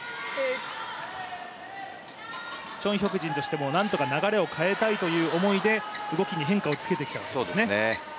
チョン・ヒョクジンとしてもなんとか流れを変えたいという思いで動きに変化をつけてきたんですね。